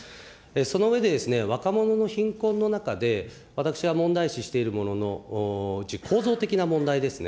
その上で、若者の貧困の中で、私が問題視しているもののうち、構造的な問題ですね。